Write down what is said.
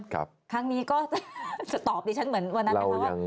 ครั้งนี้ก็จะตอบดิฉันเหมือนวันนั้น